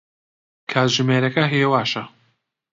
کاتژمێرەکە هێواشە.